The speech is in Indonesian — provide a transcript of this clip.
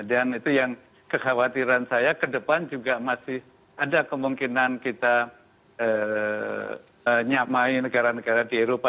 dan itu yang kekhawatiran saya ke depan juga masih ada kemungkinan kita nyamai negara negara di eropa